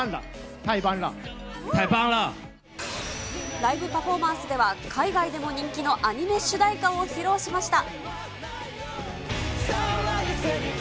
ライブパフォーマンスでは、海外でも人気のアニメ主題歌を披露しました。